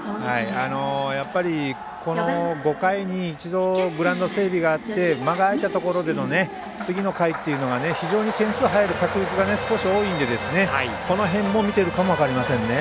やはり、この５回に一度、グラウンド整備があって間が空いたところでの次の回というのは非常に点数が入る確率が少し多いのでこの辺も見ているかも分かりませんね。